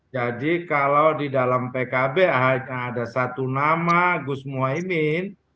jadi kalau di dalam pkb ada satu nama gus muhaymin